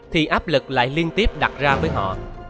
thì áp lực lại liên tiếp đặt ra với họ